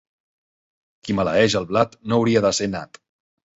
Qui maleeix el blat no hauria de ser nat.